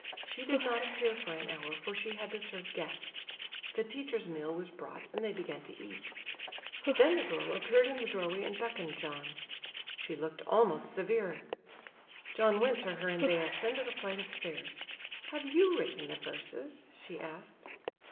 She did not appear for an hour for she had to serve guests. The teachers' meal was brought and they began to eat. Then the girl appeared in the doorway and beckoned John. She looked almost severe. John went to her and they ascended a flight of stairs. "Have you written the verses?" she asked.